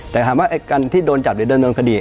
แต่ถามว่าการที่โดนจับหรือดำเนินคดี